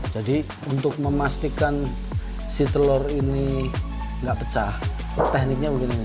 untuk memastikan si telur ini nggak pecah tekniknya begini